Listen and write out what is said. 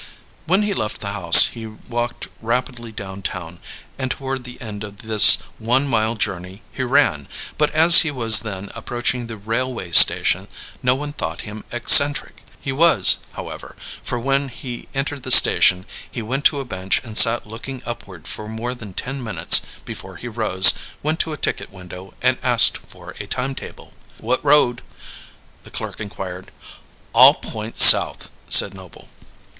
When he left the house he walked rapidly downtown, and toward the end of this one mile journey he ran; but as he was then approaching the railway station, no one thought him eccentric. He was, however, for when he entered the station he went to a bench and sat looking upward for more than ten minutes before he rose, went to a ticket window and asked for a time table. "What road?" the clerk inquired. "All points South," said Noble.